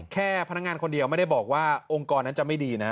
แค่พนักงานคนเดียวไม่ได้บอกว่าองค์กรนั้นจะไม่ดีนะ